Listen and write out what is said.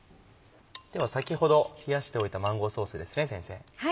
では先ほど冷やしておいたマンゴーソースですね先生。